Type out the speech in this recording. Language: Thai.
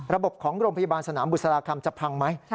ระบบของโรงพยาบาลสนามบุษราคำจะพังไหม